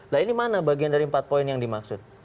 nah ini mana bagian dari empat poin yang dimaksud